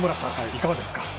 いかがですか。